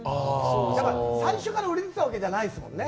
だから最初から売れてたわけじゃないですからね。